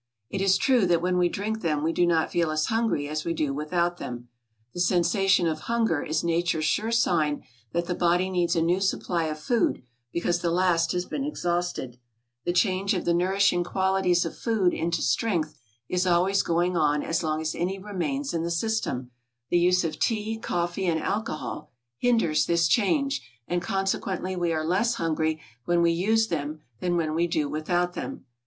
It is true that when we drink them we do not feel as hungry as we do without them. The sensation of hunger is nature's sure sign that the body needs a new supply of food because the last has been exhausted; the change of the nourishing qualities of food into strength is always going on as long as any remains in the system; the use of tea, coffee, and alcohol, hinders this change, and consequently we are less hungry when we use them than when we do without them.